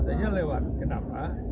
misalnya lewat kenapa